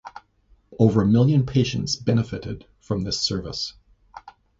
Over a million patients benefited from this service.